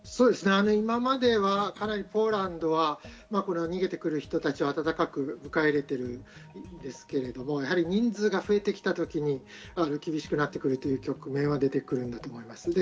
今まではポーランドは逃げてくる人たちを温かく迎え入れているんですけれども、やはり人数が増えてきたときに厳しくなってくるという局面は出てくると思います。